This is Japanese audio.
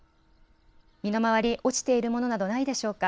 身の回り、落ちているものなどないでしょうか。